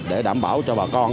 để đảm bảo cho bà con